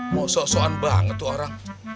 mau sok soan banget tuh orang